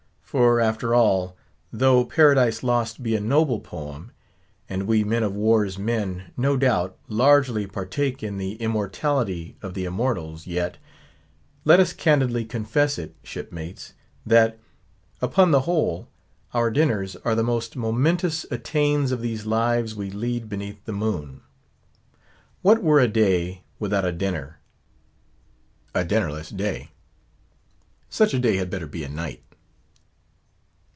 For, after all, though Paradise Lost be a noble poem, and we men of war's men, no doubt, largely partake in the immortality of the immortals yet, let us candidly confess it, shipmates, that, upon the whole, our dinners are the most momentous attains of these lives we lead beneath the moon. What were a day without a dinner? a dinnerless day! such a day had better be a night.